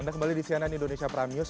anda kembali di cnn indonesia prime news